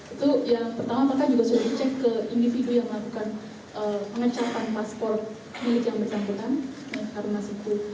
itu yang pertama kita juga sudah dicek ke individu yang melakukan pengecapan paspor milik yang bersangkutan dan harun masiku